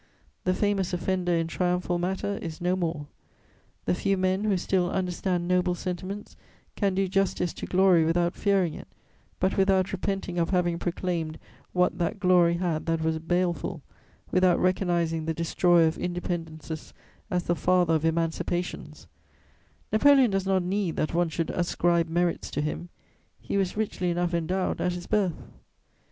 The famous offender in triumphal matter is no more; the few men who still understand noble sentiments can do justice to glory without fearing it, but without repenting of having proclaimed what that glory had that was baleful, without recognising the destroyer of independences as the father of emancipations: Napoleon does not need that one should ascribe merits to him; he was richly enough endowed at his birth.